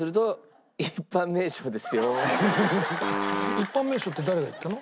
一般名称って誰が言ったの？